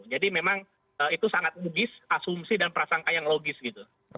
jadi memang itu sangat logis asumsi dan prasangka yang logis gitu